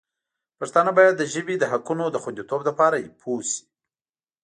پښتانه باید د ژبې د حقونو د خوندیتوب لپاره پوه شي.